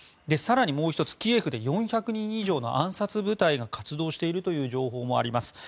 更に、もう１つ、キエフで４００人以上の暗殺部隊が活動しているという情報もあります。